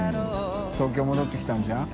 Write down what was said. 豕戻ってきたんじゃん？